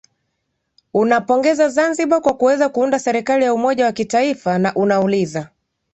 unapongeza zanzibar kwa kuweza kuunda serikali ya umoja wa kitaifa na unauliza